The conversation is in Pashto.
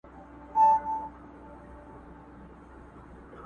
د تندې کرښو راوستلی یم د تور تر کلي؛